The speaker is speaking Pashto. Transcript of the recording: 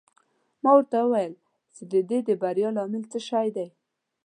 ما ورته وویل چې د دې د بریا لامل څه شی دی.